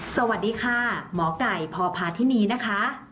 สวัสดีค่ะหมอไก่พภาษณ์ที่นี้นะคะ